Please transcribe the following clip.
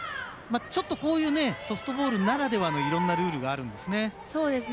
ちょっと、こういうソフトボールならではのルールがあるんですね。